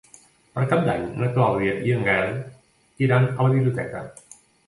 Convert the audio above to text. Per Cap d'Any na Clàudia i en Gaël iran a la biblioteca.